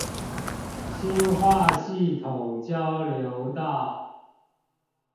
新化系統交流道